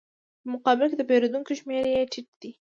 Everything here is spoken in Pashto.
په مقابل کې د پېرودونکو شمېره یې ټیټه ده